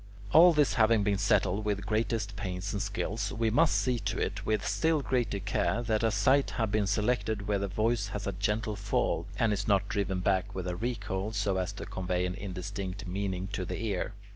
All this having been settled with the greatest pains and skill, we must see to it, with still greater care, that a site has been selected where the voice has a gentle fall, and is not driven back with a recoil so as to convey an indistinct meaning to the ear.